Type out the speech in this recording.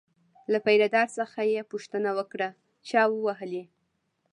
له پیره دار څخه یې پوښتنه وکړه چا ووهلی.